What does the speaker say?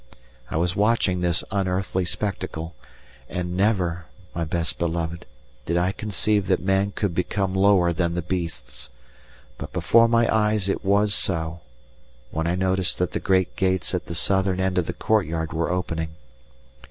I was watching this unearthly spectacle, and never, my best beloved, did I conceive that man could become lower than the beasts, but before my eyes it was so, when I noticed that the great gates at the southern end of the courtyard were opening.